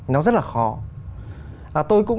nó rất là khó